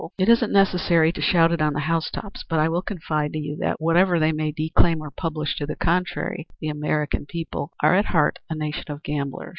It isn't necessary to shout it on the house tops, but I will confide to you that, whatever they may declaim or publish to the contrary, the American people are at heart a nation of gamblers.